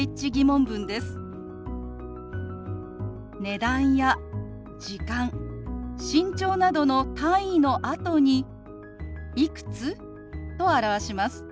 値段や時間身長などの単位のあとに「いくつ？」と表します。